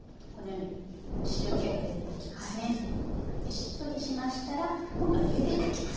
しっとりしましたら今度はゆでていきます。